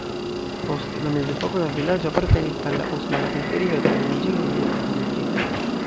Post la mezepoko la vilaĝo apartenis al la Osmana Imperio, tamen ĝi ne senhomiĝis.